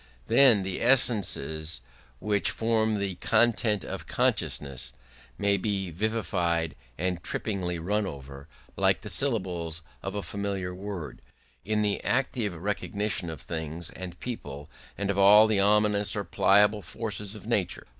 Then the essences which form the "content of consciousness" may be vivified and trippingly run over, like the syllables of a familiar word, in the active recognition of things and people and of all the ominous or pliable forces of nature.